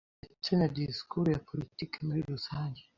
ndetse na disikuru ya politiki muri rusange